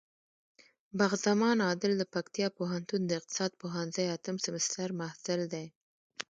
بخت زمان عادل د پکتيا پوهنتون د اقتصاد پوهنځی اتم سمستر محصل دی.